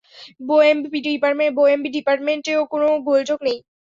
বোএমবি ডিপার্টমেন্টেও কোনও গোলযোগ নেই।